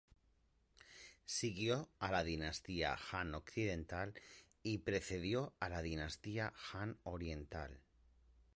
Siguió a la Dinastía Han Occidental y precedió a la Dinastía Han Oriental.